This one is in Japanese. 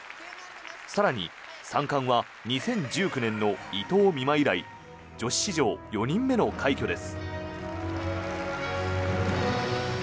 更に、３冠は２０１９年の伊藤美誠以来女子史上４人目の快挙です。